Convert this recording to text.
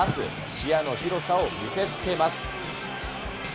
視野の広さを見せつけます。